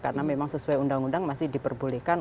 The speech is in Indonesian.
karena memang sesuai undang undang masih diperbolehkan